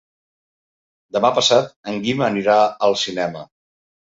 Demà passat en Guim anirà al cinema.